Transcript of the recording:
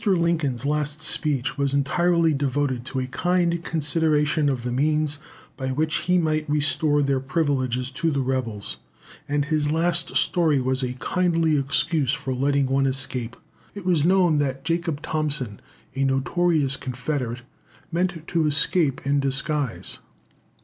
Lincoln's last speech was entirely devoted to a kind consideration of the means by which he might restore their privileges to the rebels; and his last story was a kindly excuse for letting one escape. It was known that Jacob Thompson, a notorious Confederate, meant to escape in disguise.